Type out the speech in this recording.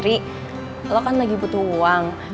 lo kan lagi butuh uang